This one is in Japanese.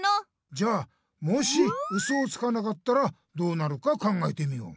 じゃあもしウソをつかなかったらどうなるか考えてみよう。